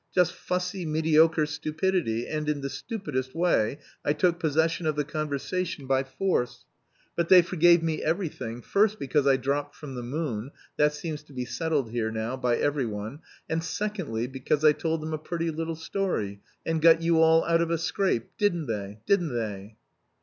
Just fussy, mediocre stupidity, and in the stupidest way I took possession of the conversation by force. But they forgave me everything, first because I dropped from the moon, that seems to be settled here, now, by every one; and, secondly, because I told them a pretty little story, and got you all out of a scrape, didn't they, didn't they?"